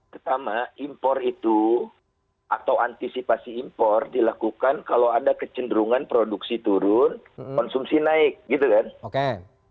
pertama impor itu atau antisipasi impor dilakukan kalau ada kecenderungan produksi turun konsumsi naik gitu kan